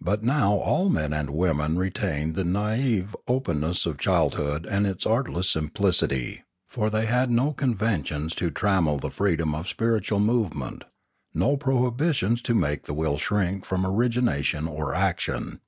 But now all men and women retained the naive openness of childhood and its artless simplicity; for they had no conventions to trammel the freedom of spiritual movement, no prohibitions to make the will shrink from origination or action.